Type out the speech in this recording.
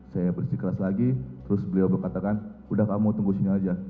saya bersikeras lagi terus beliau berkatakan udah kamu tunggu sini aja